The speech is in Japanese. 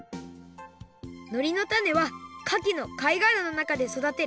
のりの種はかきの貝がらのなかで育てる